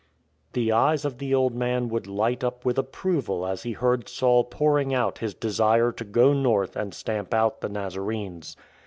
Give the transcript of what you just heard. The eyes of the old man would light up with ap proval as he heard Saul pouring out his desire to go north and stamp out the Nazarenes.